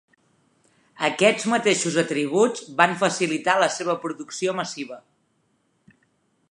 Aquests mateixos atributs van facilitar la seva producció massiva.